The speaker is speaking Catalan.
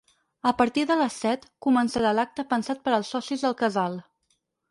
A partir de les set, començarà l’acte pensat per als socis del casal.